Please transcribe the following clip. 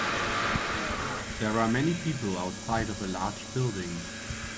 There are many people outside of a large building.